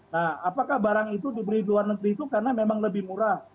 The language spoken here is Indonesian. nah apakah barang itu diberi ke luar negeri itu karena memang lebih murah